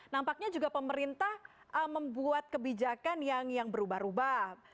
nampaknya juga pemerintah membuat kebijakan yang berubah ubah